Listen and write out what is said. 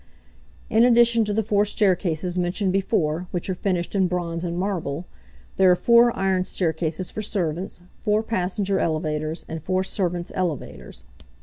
In addition to the four staircases mentioned before, which are finished in bronze and marble, there are four iron staircases for servants, four passenger elevators, and four servants' elevators.